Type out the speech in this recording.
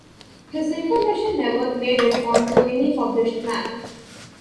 His information never made it onto any published map.